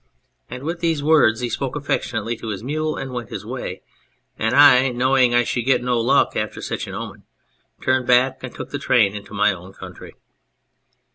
And with these words he spoke affectionately to his mule and went his way, and I, knowing I should get no luck after such an omen, turned back and took the train into my own country."